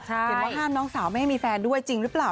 เห็นว่าห้ามน้องสาวไม่ให้มีแฟนด้วยจริงหรือเปล่า